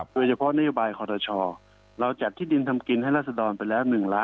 โดยเฉพาะนโยบายคอทชเราจัดที่ดินทำกินให้รัศดรไปแล้ว๑ล้าน